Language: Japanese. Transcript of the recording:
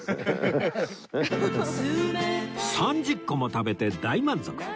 ３０個も食べて大満足！